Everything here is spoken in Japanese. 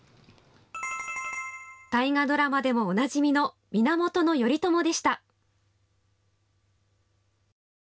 大河ドラマでもおなじみの源頼朝でした。